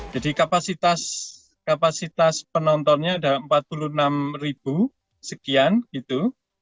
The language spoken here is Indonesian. jadi kapasitas penontonnya ada empat puluh enam ribu sekian gitu